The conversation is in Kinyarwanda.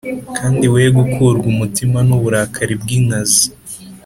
kandi we gukurwa umutima n uburakari bw inkazi